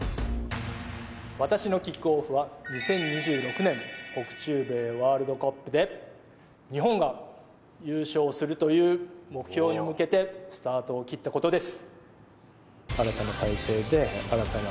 私の「ＫＩＣＫＯＦＦ」は北中米ワールドカップで日本が優勝するという目標に向けてスタートを切ったことです。